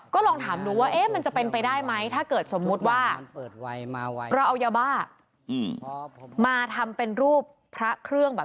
ก็ลองถามดูว่ามันจะเป็นไปได้ไหมถ้าเกิดสมมุติว่าเราเอายาบ้ามาทำเป็นรูปพระเครื่องแบบ